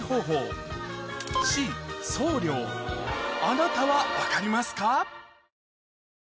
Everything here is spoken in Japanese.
あなたは分かりますか？